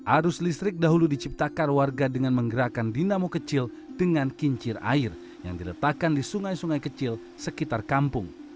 arus listrik dahulu diciptakan warga dengan menggerakkan dinamo kecil dengan kincir air yang diletakkan di sungai sungai kecil sekitar kampung